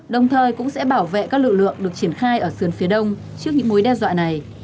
đồng thời cũng sẽ bảo vệ các lực lượng được triển khai ở sườn phía đông trước những mối đe dọa này